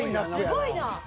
すごいな。